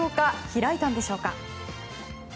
開いたんでしょうか？